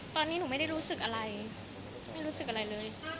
ตอนนี้หนูไม่ได้รู้สึกอะไรไม่รู้สึกอะไรเลย